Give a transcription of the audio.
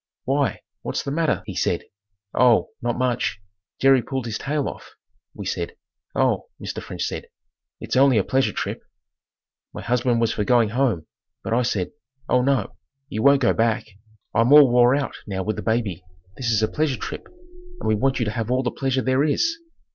"Why, what's the matter?" he said. "Oh, not much. Jerry pulled his tail off," we said. "Oh," Mr. French said, "it's only a pleasure trip." My husband was for going home, but I said, "Oh no, you won't go back. I'm all wore out now with the baby. This is a pleasure trip and we want you to have all the pleasure there is."